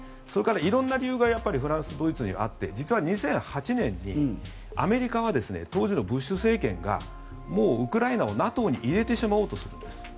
それから色んな理由がフランス、ドイツにあって２００８年にアメリカの当時のブッシュ政権がもうウクライナをＮＡＴＯに入れてしまおうとするんです。